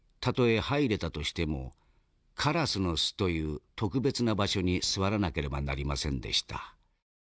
たとえ入れたとしてもカラスの巣という特別な場所に座らなければなりませんでした。